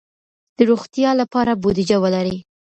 د روغتیا لپاره بودیجه ولرئ.